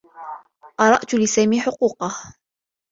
قُرأت لسامي حقوقه.